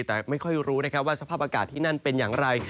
แต่ไม่ค่อยรู้นะครับว่าสภาพอากาศที่นั่นเป็นอย่างไร